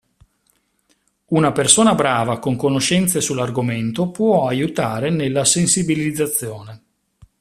Una persona brava con conoscenze sull'argomento può aiutare nella sensibilizzazione.